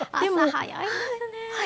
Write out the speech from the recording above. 早いんです。